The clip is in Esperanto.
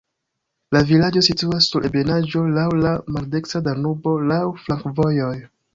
La vilaĝo situas sur ebenaĵo, laŭ la maldekstra Danubo, laŭ flankovojoj.